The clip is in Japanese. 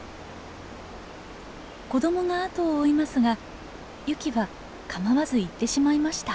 子どもが後を追いますがユキは構わず行ってしまいました。